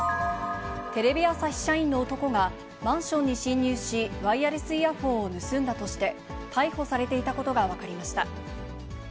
テレビ朝日社員の男が、マンションに侵入し、ワイヤレスイヤホンを盗んだとして、逮捕されていたことが分かりました。